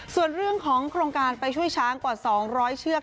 ส่วนเรื่องของโครงการไปช่วยช้างกว่า๒๐๐เชือก